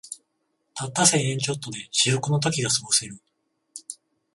たった千円ちょっとで至福の時がすごせる